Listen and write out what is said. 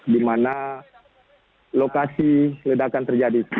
di mana lokasi ledakan terjadi